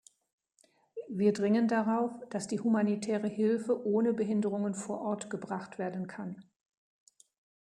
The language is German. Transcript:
Wir dringen darauf, dass die humanitäre Hilfe ohne Behinderungen vor Ort gebracht werden kann.